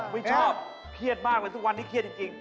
ไม่ชอบเครียดมากเลยทุกวันนี้เครียดจริง